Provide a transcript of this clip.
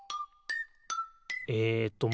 えっと